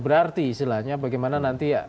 berarti istilahnya bagaimana nanti